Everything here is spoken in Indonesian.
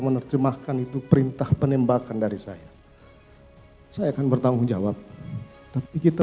menerjemahkan itu perintah penembakan dari saya saya akan bertanggung jawab tapi kita